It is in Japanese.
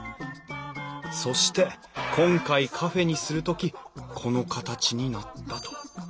そして今回カフェにする時この形になったと。